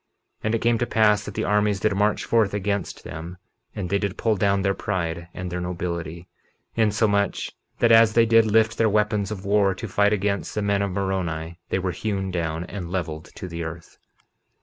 51:18 And it came to pass that the armies did march forth against them; and they did pull down their pride and their nobility, insomuch that as they did lift their weapons of war to fight against the men of Moroni they were hewn down and leveled to the earth.